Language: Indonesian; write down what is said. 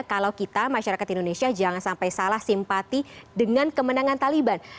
kalau kita masyarakat indonesia jangan sampai salah simpati dengan kemenangan taliban